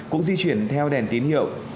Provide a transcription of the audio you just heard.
cũng di chuyển theo đèn tín hiệu